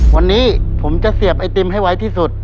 วันนี้ผมจะเสียบไอติมให้ไวที่สุด